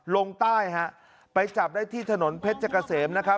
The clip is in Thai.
ลงใต้ไปจับได้ที่ถนนเพชรกาเสม